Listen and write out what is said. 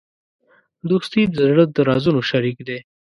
دوستي د زړه د رازونو شریک دی.